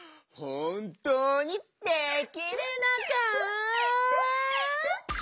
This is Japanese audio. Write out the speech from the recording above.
ほんとうにできるのか？